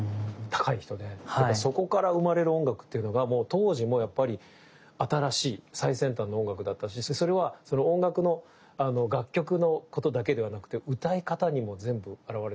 そこから生まれる音楽っていうのがもう当時もやっぱり新しい最先端の音楽だったしそしてそれはその音楽の楽曲のことだけではなくて歌い方にも全部表れてて。